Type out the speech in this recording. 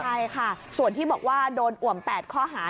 ใช่ค่ะส่วนที่บอกว่าโดนอ่วม๘ข้อหา